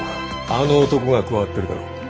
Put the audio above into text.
あの男が加わってるだろ。